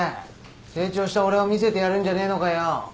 「成長した俺」を見せてやるんじゃねえのかよ？